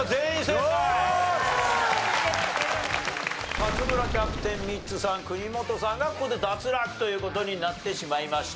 勝村キャプテンミッツさん国本さんがここで脱落という事になってしまいました。